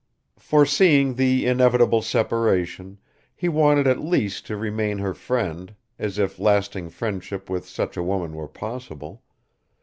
Foreseeing the inevitable separation, he wanted at least to remain her friend, as if lasting friendship with such a woman were possible